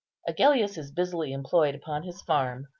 Agellius is busily employed upon his farm.